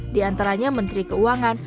di antaranya menteri keuangan